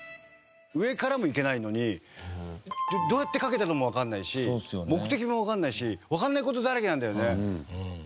上からも行けないのにどうやって掛けたのかもわかんないし目的もわかんないしわかんない事だらけなんだよね。